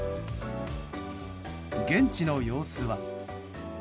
現地の様子は。